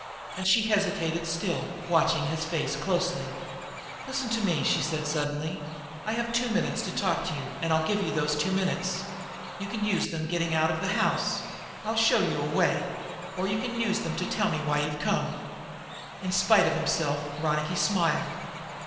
And she hesitated still, watching his face closely. "Listen to me," she said suddenly. "I have two minutes to talk to you, and I'll give you those two minutes. You can use them in getting out of the house I'll show you a way or you can use them to tell me just why you've come." In spite of himself Ronicky smiled.